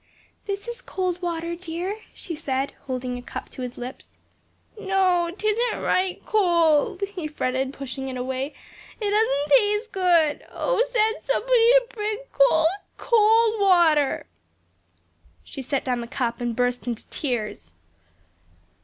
"This is cold water, dear," she said holding a cup to his lips. "No, 'tisn't right cold," he fretted, pushing it away; "it doesn't taste good. Oh, send somebody to bring cold, cold water!" She set down the cup and burst into tears.